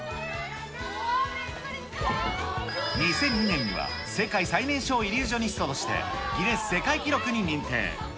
２００２年には、世界最年少イリュージョニストとしてギネス世界記録に認定。